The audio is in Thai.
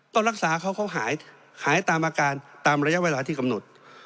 ก็รักษาเขาเขาหายตามอาการตามระยะเวลาที่กำหนด